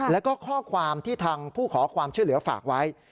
แล้วก็ข้อความที่ทางผู้ขอความช่วยเหลือฝากไว้